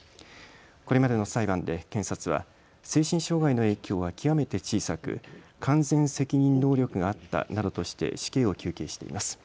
これまでの裁判で検察は精神障害の影響は極めて小さく完全責任能力があったなどとして死刑を求刑しています。